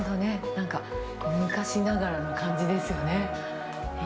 なんか昔ながらの感じですよね。